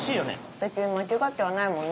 別に間違ってはないもんね。